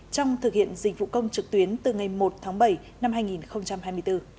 trong thực hiện dịch vụ công trực tuyến từ ngày một tháng bảy năm hai nghìn hai mươi bốn